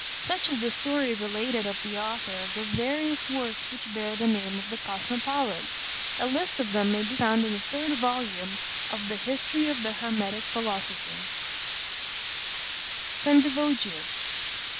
Such is the story related of the author of the various works which bear the name of the Cosmopolite. A list of them may be found in the third volume of the History of the Hermetic Philosophy. SENDIVOGIUS.